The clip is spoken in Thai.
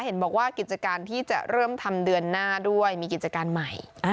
เห็นบอกว่ากิจการที่จะเริ่มทำเดือนหน้าด้วยมีกิจการใหม่